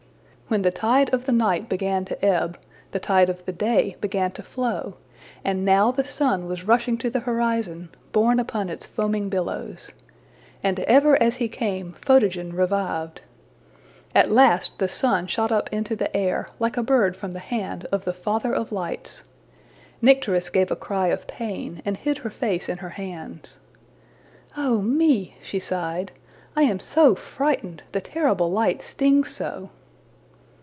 When the tide of the night began to ebb, the tide of the day began to flow; and now the sun was rushing to the horizon, borne upon its foaming billows. And ever as he came, Photogen revived. At last the sun shot up into the air, like a bird from the hand of the Father of Lights. Nycteris gave a cry of pain and hid her face in her hands. ``Oh me!'' she sighed; ``I am so frightened! The terrible light stings so!''